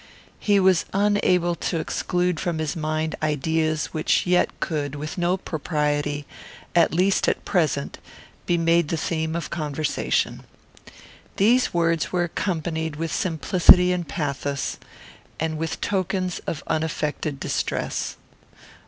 He was unable to exclude from his mind ideas which yet could, with no propriety, at least at present, be made the theme of conversation. These words were accompanied with simplicity and pathos, and with tokens of unaffected distress.